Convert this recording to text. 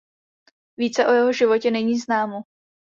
Více o jeho životě není známo.